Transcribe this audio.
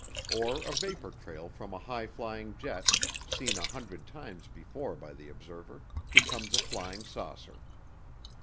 Or a vapor trail from a high flying jet seen a hundred times before by the observer becomes a flying saucer.